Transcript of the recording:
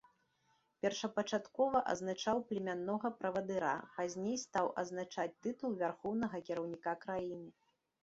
Першапачаткова азначаў племяннога правадыра, пазней стаў азначаць тытул вярхоўнага кіраўніка краіны.